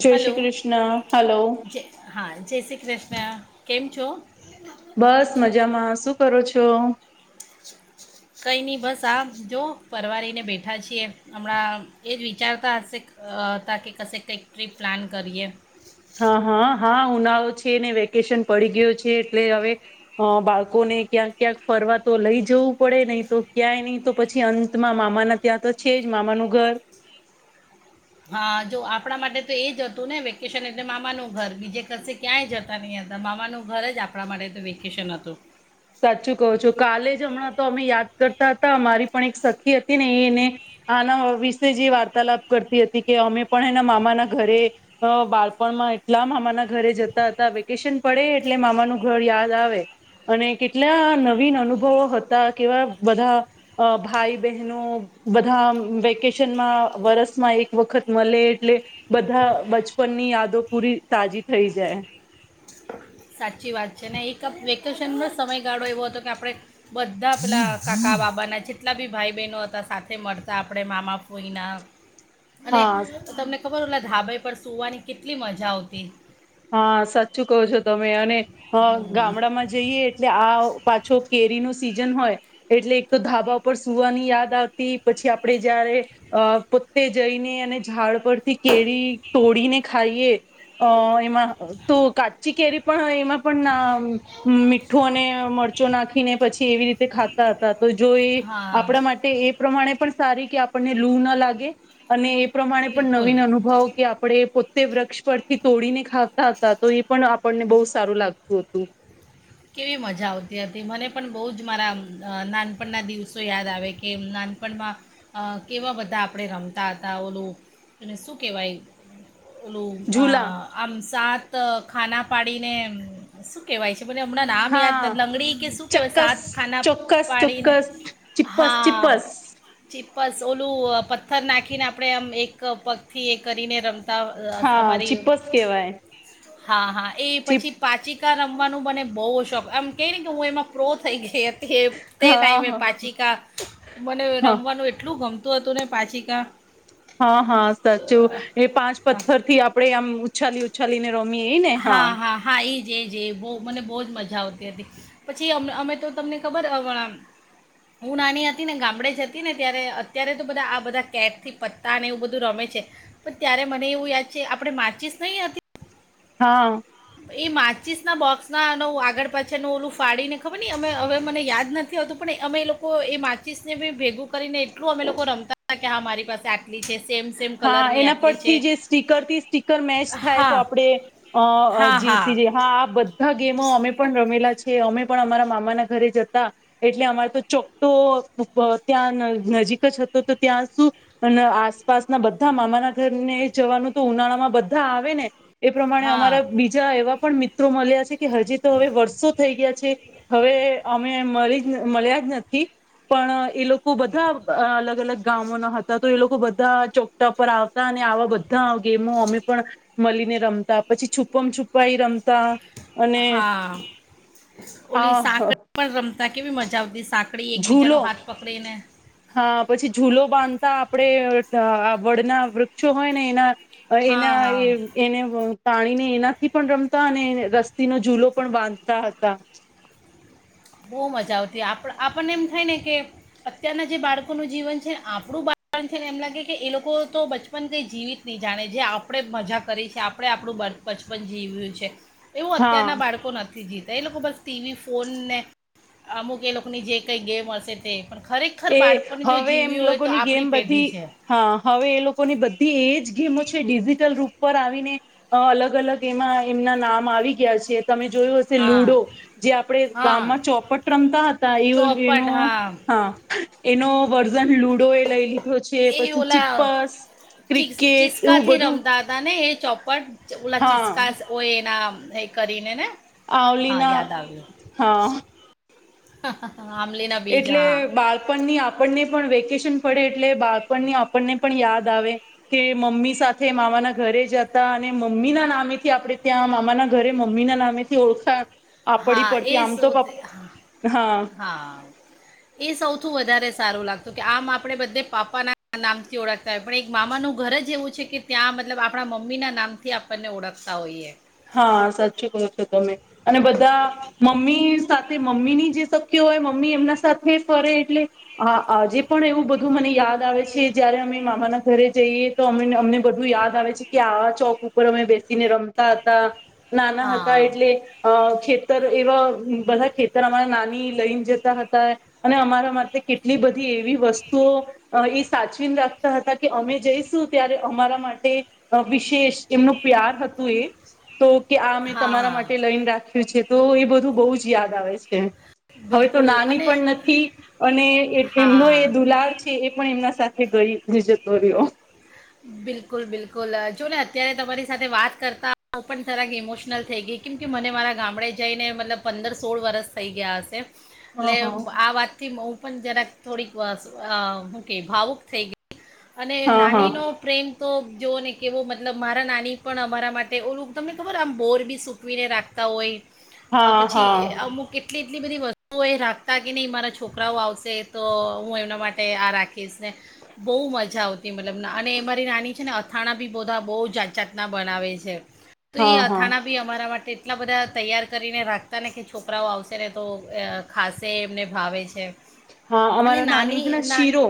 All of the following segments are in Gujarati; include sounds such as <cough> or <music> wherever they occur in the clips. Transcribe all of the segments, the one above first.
જય શ્રી હલો કૃષ્ન હલો. જય હા જય શ્રી કૃષ્ન કેમ છો. બસ મજામાં શું કરો છો. તો કંઈ નહીં બસ આ જો <unintelligible> ની બેઠા છીએ હમણાં એ જ વિચારતા હશે હતા કે કશે કંઈક ટ્રીપ પ્લાન કરીએ. હા, હા, હા, ઉનાળો છે ને વેકેશન પડી ગયો છે એટલે હવે બાળકોને ક્યાંક ક્યાંક ફરવા તો લઈ જવું પડે નહીં તો ક્યાંય નહી તો પછી અંતમાં મામાના ત્યાં તો છે જ મામાનું ઘર. હા જો આપણા માટે તો એ જ હતું ને વેકેશન એટલે મામાનું ઘર બીજે કરસે ક્યાંય જતા નહીં હતા મામાનું ઘર જ આપણા માટે તો વેકેશન હતું. સાચું કહો છો કાલે જ હમણાં તો અમે યાદ કરતા હતા અમારી પણ એક સખી હતી ને એ એને આના વિશે જ એ વાર્તાલાપ કરતી હતી કે અમે પણ એના મામાના ઘરે બાળપણમાં એટલા મામાના ઘરે જતા હતા વેકેશન પડે એટલે મામાનું ઘર યાદ આવે અને કેટલા નવીન અનુભવો હતા કેવા બધા ભાઈ બહેનો બધા વેકેશનમાં વરસમાં એક વખત મળે એટલે બધા બચપનની યાદો પૂરી તાજી થઈ જાય. સાચી વાત છે ને એક વેકેશનનો સમયગાળો એવો હતો કે આપણે બધા પેલા કાકા બાબાના જેટલા બી ભાઈ બહેનો હતા સાથે મળતા આપણે મામાપઈના અને હા તમને ખબર ઓલા ધાબઈ પર સવાની કેટલી મજા આવતી. હા સાચું કહો છો તમે. અને ગામડામાં જઈએ એટલે આ પાછો કેરીનું સીઝન હોય એટલે એક તો ધાબા ઉપ સુવાની યાદ આવતી પછી આપણે જયારે પોતે જઈને અને ઝાડ પરથી કેળ તોડીને ખાઈએ અ તો કાચી કેરી પણ એમાં પણ ના મીઠું અને મરચો નાખીને પછી એવી રીતે ખાતા હતા. તો જો એ હા આપણા માટે એ પ્રમાણે પણ સારી કે આપને લૂ ન લાગે અને પ્રમાણે પણ બિલકુલ નવીન અનુભવ કે આપણે પો તે વૃક્ષ પરથી તોડીને ખાતા હતા તો ઈ પણ આપણને બહુ સારું લાગતું હતું. કેવી મજા આવતી હતી મને પણ બઉ જ મારા નાનપણના દિવસો યાદ આવે કે નાનપણમાં અ કેવા બધા આપણે રમતા હતા ઓલું એને શું કહેવાય ઓલું ઝૂલા આ આમ સાત તો ખાના પાડીને શું કેહેવાય છે. મને હમણાં નામ યાદ હા નથી લંગડી કે શું કહેવાય ચક્કસ સાત ખાના ચોક્કસ પાડીને ચોક્કસ ચીપ્પસ હા ચીપ્પસ ચીપ બસ ઓલું પથ્થર નાખીને આપણે આમ એક પગથી એ કરીને રમ હા ચીપસ કેવાય. હા હા. એ ચીપ પછી પાચી કા રમવાનું મને બોવ શોખ આમ કેય ને કે હું એમાં પ્રો થઈ ગઈ. હે તે હા ટાઈમે હા પાચીકા મને હા રમવાનું એટલું ગમતું. તું હતું ને પાચિકા હા હા સાચું એ પાંચ હા પથ્થર થી આપડે આમ ઉછાલી ઉછાલીને રોમી એ ને હા. જે જે બો મને બોજ મજા આવતી હતી. પછી અમે અમે તો તમને ખબર હું નાની હતી ને ગામડે જ હતી ને ત્યારે અત્યારે તો બધા આ બધા કેટ થી પત્તા અને એવું બધું રમે છે પણ ત્યારે મને એવું યાદ છે આપણે માચીશ નય હતી. હા. એ માચીસના બોક્સનાનું આગળ પાછળનું ઓલું ફાડીને ખબર નહીં અમે હવે મને યાદ નથી હોતું પણ અમે એ લોકો એ માચીસને બી ભેગું કરીને એટલું અમે લોકો રમતા. હા કે મારી પાસે આટ હા એના પરથી જે સ્ટીકરથી સ્ટીકર મેચ થાય હા તો આપણે હા હા અ <unintelligible> બધાં ગેમો અમે પણ રમેલા છે. કે અમે પણ અમારા મામાના ઘરે જતા એટલે અમારે તો ચોક્ટો ત્યાં નજીક જ હતો તો ત્યાં શું આ આસપાસના બધા મામાના ઘર ને એ જવાનું તો ઉનાળામાં બધા આવે ને એ પ્રમાણે હા અમારા બીજા એવા પણ મિત્રો મલી કે હજી તો હવે વર્ષો થઈ હવે અમે મળ્યા જ નથી પણ એ લોકો બધા અલગ અલગ ગામોના હતા તો એ લોકો બધા ચોકટા પર આવતા અને આવા બધા ગેમો અમે પણ મળીને રમતા પછી છુપમ છુપાઈ રમતા અને હા ઓલી આ સાંકડી પણ રમ કેવી મજા સાંકળી એકબીજાનો ઝૂલો હાથ પકડીને હા પછી ઝૂલો બાંધતા આપડે આ વડના વૃક્ષો હોય ને એના હા એના હા એ એને તાણીને એનાથી પણ રમતા અને રસ્તીનો ૂલો પણ બાંધતા હતા. બો મજા આવતી આપ આપણને એમ થાય ને કે અત્યારના જે બાળકોનું જીવન છેને આપણું બાળણ છેને એમ લાગે કે એ લોકો તો બચપન કંઈ જીવીત નહી જાણે જે આપણે મજા કરી છે આપણે આપણું બચપન જીવ્યું છે. એવું હા અત્યારના બાળકો નથી. તો એ લોકો બસ ટીવી ફોન અમુક એ લોકોની જે કઈ ગેમ હશે પણ ખરેખર એ બાળપણ જો હવે એમ જીવ્યું હોય તો લોકોની ગેમ આપણી પેઢી બધી છે હા હવે એ લોકોની બધી એજ ગેમો ડિજિટલ રૂપ પર આવીને અલગ અલગ એમાં એમના નામ આવી ગયા છે. તમે જોયું હશે હા લુડો જે આપણે હા ગામમાં ચોપટ રમતા હતા એવ એનો હા. એનો લુડો એ લઈ લીધો છે એ પછી ઓલા ચિપસ ચીસ ક્રિકેટ એવું ચિસ્કાથી બધું રમતા હતા ને એ ચોપટ. ઓલા હા ચિસ્કાસ હોય એના એ કરીને ને આવલીના હા. હ. એટલે બાળપણની આપણને પણ વેકે પડે એટલે બાળપણની આપણને પણ યાદ આવે કે મમ્મી સાથે મામાના ઘરે જતા અને મમ્મી ના નામેથી આપણે ત્યાં મામાના ઘરે મમ્મીના નામેથી ઓળખા હા એ સ હા હા. એ સૌથી વધારે સારું લાગતું કે આમ આપણે બધે પાપાના નામથી ઓળખતા હોય પણ એક મામાનું ઘર જ એવું છે કે ત્યાં મતલબ આપણા મમ્મીના નામથી આપણને ઓળખતા હોઈએ. હા સાચું કહો છો તમે અને બધા મમ્મી સાથે મમ્મીની જે શક્ય હોય મમ્મી એમના સાથે ફરે એટલે આજે પણ એવું બધું મને યાદ આવે છે જયારે અમે મામાના ઘરે જઈએ તો અમને બધું યાદ આવે છે કે આવા ચોક ઉપર અમે બેસીને રમતા. <unintelligible> નાના હતા હા એટલે અ ખેતર એવા બધા ખેતર અમારા નાની લઈને જતા હતા અને અમારા માટે કેટલી એવી વસ્તુઓ સાચવીને રાખતા હતા કે અમે જઈશું ત્યારે અમારા માટે વિશેષ એમનું પ્યાર હતું એ. તો કે આ મેં તમારા હા માટે લઈન રાખ્યું તો એ બધું બહુ જ યાદ આવે છે. હવે તો બિલકુલ નાની અને પણ નથી અને એમનો એ હા દુલાર છે એ પણ એમના સાથે થી ગઈ બી જતો રહ્યો. બિલકુલ-બિલકુલ આજ જો ને અત્યારે તમારી સાથે વાત કરતાં હું પણ થરાક ઇમોશનલ થઈ ગઈ કેમ કે મને મારા ગામડે જઈને મતલબ પંદર સોળ વરષ થઈ ગયા હશે. એટલે હા હા આ વાત થી હું પણ જરાક થોડીક વશ હું કે ભાવુક થઈ ગઈ. અને હા હા નાનીનો પ્રેમ તો જોઓ ને કેવો મતલબ મારા નાની પણ અમારા માટે ઓલું તમને ખબર આમ બોર બી સૂકવીને રાખતા હોય. અ હા પછી હા અમુક કેટલી એટલી બધી વસ્તુઓ એ રાખતા કે નહીં મારા છોકરાઓ આવશે તો હું એમના માટે આ રાખીશ ને બહુ મજા આવતી મતલબ અને એ મારી નાની છે ને અથાણા બી બધા બહુ જાત જાતના બનાવે છે. તો એ હા હા અથાણા બી અમારા માટે એટલા બધા તૈયાર કરીને રાખતા ને કે છોકરાઓ આવશે ને તો અ ખાશે એમને ભાવે છે. હા, અને અમારા નાની છે ને નાની શીરો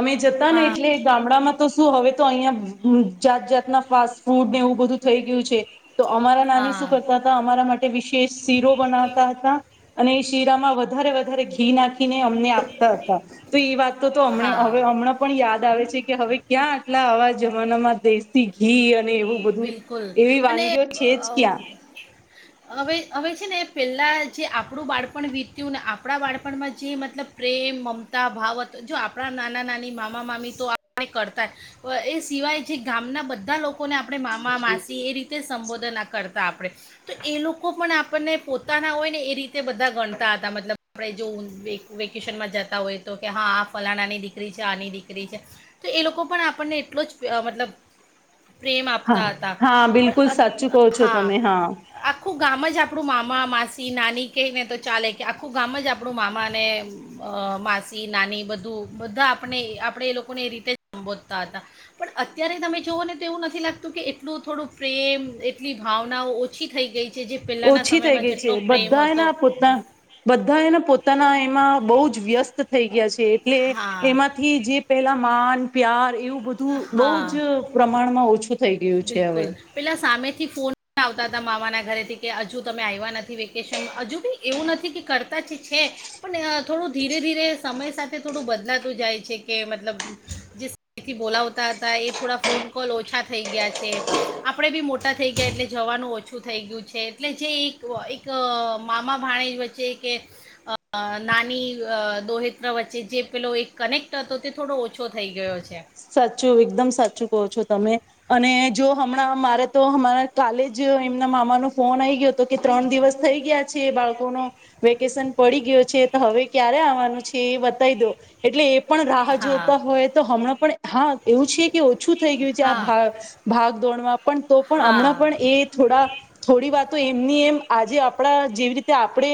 અમે જતા અન હા એટલે ગા ગામડામાં તો શું હવે તો અહિયાં જાત જાતના ફાસ્ટ ફૂડ ને એવું બધું થઈ ગયું છે. તો અમારા નાની હા શું કરતા હતા અમારા માટે વિશેષ શીરો બનાવતા હતા. અને એ શીરામાં વધારે-વધારે ઘી ના અમને આપતા હતા તો એ વાત તો હ હવે હા હમણાં પણ યાદ આવે છે કે હવે ક્યાં આટલા આવા જમાનામાં દેશી ઘી અને એવું બધું બિલકુલ એવી અને વાનગીઓ છે જ ક્યાં! અવે છે ને એ પહેલાં જે આપણું બાળપણ વીત્યું ને આપણા બાળપણમાં જે મતલબ પ્રેમ, મમતાભાવ જો આપણા નાના નાની, મામા મામી તો કરતાય એ સિવાય જે ગામના બધા લોક લોકોને આપણે મામા, માસી એ રીતે સંબોધન ના કરતા આપણે તો એ લોકો પણ આપ આપણને પોતાના હોય ને એ રીતે બધા ગણતા હતા મતલબ આપણે જો ઉ વેકેશનમાં જતા હોય તો કે હા આ ફલાણાની દીકરી છે આની દીકરી છે તો એ લોકો પણ આપણને એટલો જ પ્ મતલબ પ્રેમ આપતા હતા હા-હા, પણ બિલકુલ અત સાચું કહો છો તમે હા. આખું ગામ જ આપણું મામા, માસી, નાની કેય ને તો ચાલે કે આખું ગામ જ આપણું મામા ને અ માસી, નાની બધું બધા આપણે-આપણે એ લોકોને એ રીતે સંબોધતા હતા પણ અત્યારે તમે જોઓ ને એવું નથી લાગતું કે એટલું થોડું પ્રેમ એટલી ભાવનાઓ ઓછી થઈ ગઈ. છે જે પહેલાંના ઓછી થઈ સમયમાં ગઈ છે જેટલો પ્રેમ હતો બધાયના પોતા બધાયના પોતાના એમાં બહુ જ જ વ્યસ્ત થઈ ગયા છે. એટલે હા એમાંથી જે પેલા માન પ્યાર એવું બધું બહુ જ હા પ્રમાણમાં ઓછું થઈ ગયું છે હવે બિલકુલ પેલા સામે જ થી ફોન આવતા હતા મામા ના ઘરેથી કે હજુ તમે આવ્યા નથી વેકેશનમાં હજુ બી એવું નથી કે કરતા જ છે પણ થોડું ધી ધીરે ધીરે સમય સાથે થોડું બદલાતું જાય છે. છે કે મતલબ જથી બોલા હોતા હતા એ થોડા ફોન કોલ ઓછા થ થઈ ગયા છે આપણે બી મોટા થઈ ગયા એટલે જવાનું ઓછું થઈ ગયું છે એટલે જે એક એક મામા ભાણે વચ્ચે કે નાની દોહત્ર વચ્ચે જે પેલો એક કનેક્ટ હતો તે થોડો ઓછો થઈ ગયો છે. સાચું એકદમ સાચું કહો છો તમે અને જો હમણાં મારે તો અરા કાલે જ એમના મામાનો ફોન આઈ ગયો હતો કે ત્રણ દિવસ થઈ ગયા છે બાળકોનો વેકેશન પડી ગયો છે તો હવે ક્યારે આવવાનું છે એ બતાવી દો એટલે પણ રાહ હા જોતા હોય તો હમણાં પણ હા એવું છે કે ઓછું થઈ ગયું છે આ હા ભ ભાગ દોણમાં પણ તો પણ હમણાં હા પણ એ થોડા થોડી વાત તો એમની એમ આજે આપણા જેવી રીતે આપણે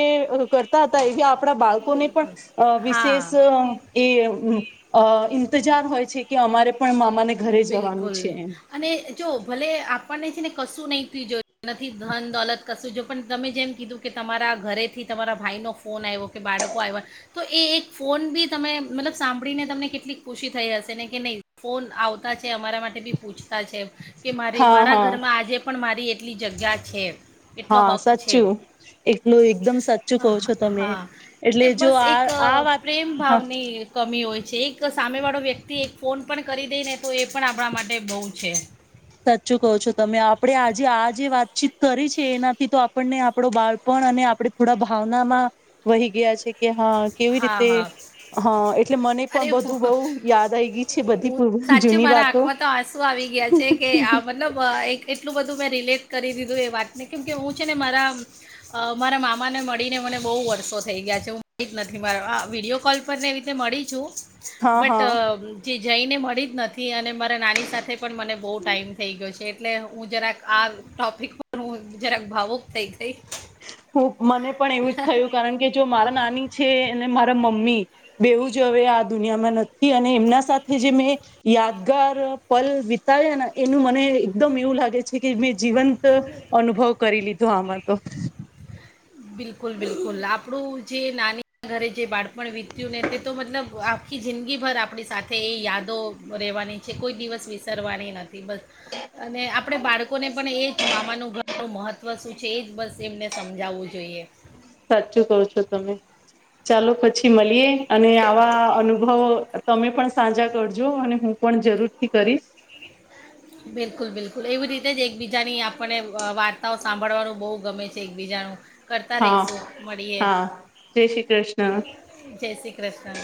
કરતા હતા એવી આપણા બાળકોને પણ વિશેષ હા એ ઇન્તજાર હોય છે કે અમારે પણ મામાને ઘરે જવાનું બિલકુલ છે એમ. અને જો ભલે આપ પણ એ છે ને કશું નહીં થ જોયું નથી ધન દોલત કશું જો પણ તમે જેમ કીધું કે તમારા ઘરેથી તમારા ભાઈનો ફોન આવ્યો કે બાળકો આવ્યા તો એ એક ફોન બી તમે મતલબ સાંભળીને તમને કેટલીક ખુશી થઈ હશે ને કે નહીં ફોન આવતા જ અમારા માટે બી પૂછતા છે કે મારી હા મારા હા ઘરમાં આજે પણ મારી કેટલી જગ્યા છે. એટલો હા હક છે સાચું એલું એકદમ સાચું કહો હા છો તમે હા. એટલે એ જો બસ આ એક અ, આ વાત પ્રેમ હા ભાવની કમી હોય એક સામે વાળો વ્યક્તિ એક ફોન પણ કરી દે ને તો એ પણ આપણા માટે બહુ છે. સાચું કહો છો તમે આપણે આજે આ જે વાતચીત કરી છે એનાથી તો આપણને આપડો બાળપણ અને આપણે થોડા ભાવનામાં વહી ગયા છે કે હા કેવી હા રીતે હા હા એટલે મને અરે પણ બધું બહુ યાદ આવી ગઈ છે બધી સાચે જૂની મારા વાતો આંખમાં તો આંસુ આવી ગયા છે કે આ મતલબઆ એક એટલું બધું રિલેટ કરી દીધું એ વાતને કેમ કે હું છેને મારા મારા મામા ને મળ ને મને બહુ વર્ષો થઈ ગયા છે હ નથી મારા આ વિડીયો કોલ પરને એ રીતે મળી છું હા બટ હા જે જઈને મળી જ નથી અને મારા નાની સાથે પણ મને બહુ ટાઈઇમ થઈ ગયો છે. ને હું જરાક આ ટોપિક પર હું જરાક ભાવુક થઈ ગઈ. હું મને પણ એવું જ થયું કારણ કે જો મારા નાની છે અને મારા મમ્મી બેવું જ હવે આ દુનિયામાં નથી અને એમના સાથે જે મેં યાદગાર પલ વિતાયા ને એનું મને એકદમ એવું લાગે છે. કે મેં જીવંત અનુભવ કરી લી તો આમાં તો બિલકુલ બિલકુલ આપડુ જે નાની ઘરે જે બાળપણ વીત્યું ને તે તો મતલબ આખી જિંદગીભર આપડી સાથે એ યાદો રેવાની છે કોઈ દિવસ વિસરવાની ન તીબ અને આપ પણે બાળકોને પણ એ જ મામાનું ઘરનું મહત્વ શું છે એ જ બસ એમને સમજાવવું. જોઈએ સાચું કહો છો તમે ચાલો પછી મળીએ અને આવા અનુભવો તમે પણ સાજા કરજો અને હું પણ જરૂર થી કરીશ. બિલકુલ બિલકુલ એવી રીતે જ એકબીજાની આપને વાર્તાઓ સાંભળવાનું બહુ ગમે છે એકબીજાનું. કરતા હા રહીશું મળીએે હા જય શ્રી કૃષ્ણ જય શ્રી કૃષ્ણ